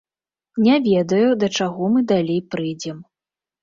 Не ведаю, да чаго мы далей прыйдзем.